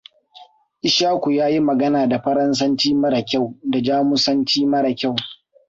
Ishaku ya yi magana da Faransanci mara kyau da Jamusanci mara kyau.